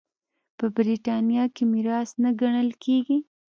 په برېټانیا کې میراث نه ګڼل کېږي.